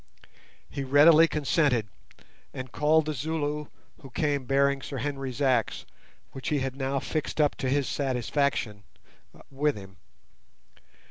He readily consented, and called the Zulu, who came bearing Sir Henry's axe, which he had now fixed up to his satisfaction, with him.